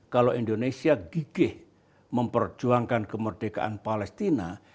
kalau indonesia gigih memperjuangkan kemerdekaan palestina